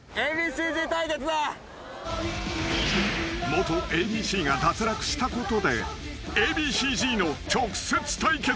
［元Ａ．Ｂ．Ｃ．が脱落したことでＡ．Ｂ．Ｃ−Ｚの直接対決］